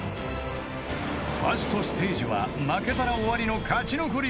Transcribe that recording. ［ファーストステージは負けたら終わりの勝ち残りバトル］